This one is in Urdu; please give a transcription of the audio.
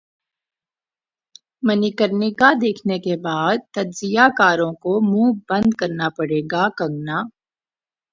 منیکارنیکا دیکھنے کے بعد تجزیہ کاروں کو منہ بند کرنا پڑے گا کنگنا